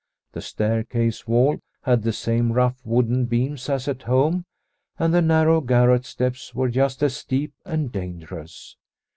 The staircase wall had the same rough wooden beams as at home, and the narrow garret steps were just as steep and dangerous.